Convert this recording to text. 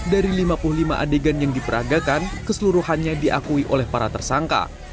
dari lima puluh lima adegan yang diperagakan keseluruhannya diakui oleh para tersangka